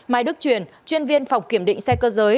mai đức truyền chuyên viên phòng kiểm định xe cơ giới